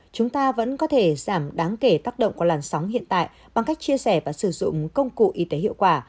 chúng ta vẫn có thể giảm đáng kể tác động của làn sóng hiện tại bằng cách chia sẻ và sử dụng công cụ y tế hiệu quả